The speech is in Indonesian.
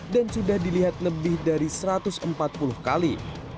dan sudah dilihat lebih dari satu ratus empat puluh kali